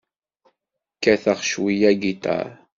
Kkateɣ cweyya agiṭar.